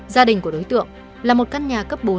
gia đình của đối tượng là một căn nhà cấp bốn